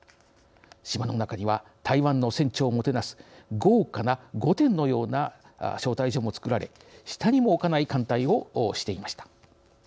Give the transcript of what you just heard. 島の中には、台湾の船長をもてなす豪華な御殿のような招待所も造られ下にも置かない歓待をしていました。